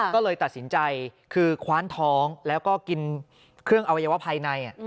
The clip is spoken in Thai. ก็เลยตัดสินใจคือคว้านท้องแล้วก็กินเครื่องอวัยวะภายใน